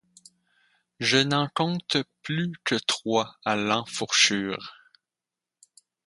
Je n’en compte plus que trois à l’enfourchure...